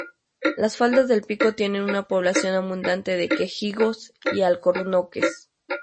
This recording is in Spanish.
Las faldas del pico tienen una población abundante de quejigos y alcornoques.